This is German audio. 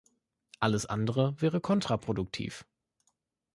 Alles andere wäre kontraproduktiv.